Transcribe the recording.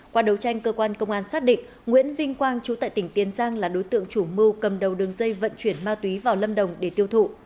qua đấu tranh cơ quan công an xác định nguyễn vinh quang chú tại tỉnh tiền giang là đối tượng chủ mưu cầm đầu đường dây vận chuyển ma túy vào lâm đồng để tiêu thụ